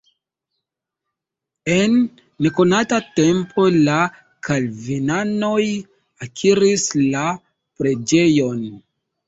En nekonata tempo la kalvinanoj akiris la preĝejon.